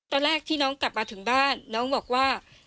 ตอนแรกที่น้องกลับมาถึงบ้านน้องบอกว่า